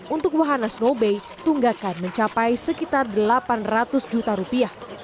untuk wahana snow bay tunggakan mencapai sekitar delapan ratus juta rupiah